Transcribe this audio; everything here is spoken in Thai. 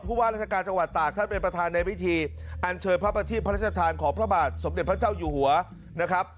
ว่าราชการจังหวัดตากท่านเป็นประธานในพิธีอันเชิญพระประทีพระราชทานของพระบาทสมเด็จพระเจ้าอยู่หัวนะครับ